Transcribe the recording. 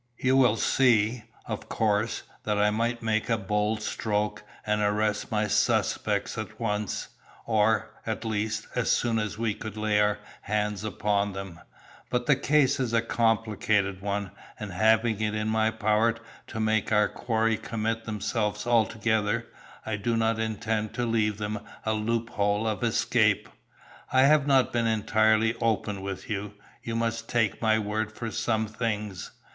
"You will see, of course, that I might make a bold stroke and arrest my suspects at once; or, at least, as soon as we could lay our hands upon them, but the case is a complicated one, and having it in my power to make our quarry commit themselves altogether, I do not intend to leave them a loophole of escape. I have not been entirely open with you; you must take my word for some things.